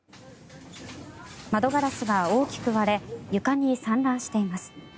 窓ガラスが大きく割れ床に散乱しています。